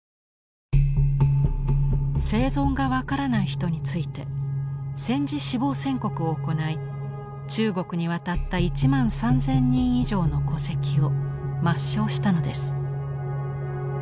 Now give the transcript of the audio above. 生存が分からない人について戦時死亡宣告を行い中国に渡った１万３，０００人以上の戸籍を抹消したのです。